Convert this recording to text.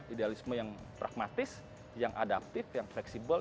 idealisme yang pragmatis yang adaptif yang fleksibel